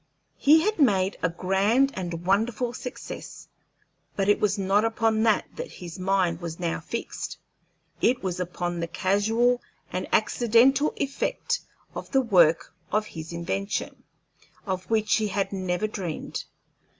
He had made a grand and wonderful success, but it was not upon that that his mind was now fixed. It was upon the casual and accidental effect of the work of his invention, of which he had never dreamed.